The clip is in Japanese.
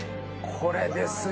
これですよ。